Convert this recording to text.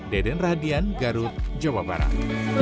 deden radian garut jawa barat